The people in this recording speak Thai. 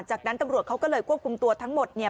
จากนั้นตำรวจเขาก็เลยควบคุมตัวทั้งหมดเนี่ย